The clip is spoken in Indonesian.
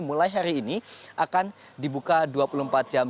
mulai hari ini akan dibuka dua puluh empat jam